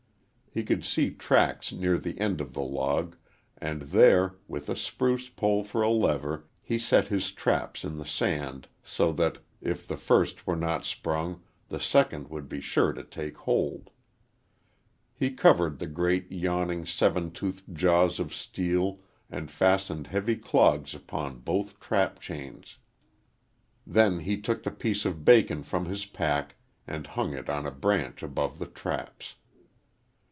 He could see tracks near the end of the log, and there, with a spruce pole for a lever, he set his traps in the sand so that, if the first were not sprung, the second would be sure to take hold. He covered the great, yawning, seven toothed jaws of steel and fastened heavy clogs upon both trap chains. Then he took the piece of bacon from his pack and hung it on a branch above the traps.